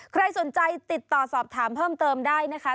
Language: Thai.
ใครสนใจติดต่อสอบถามเพิ่มเติมได้นะคะ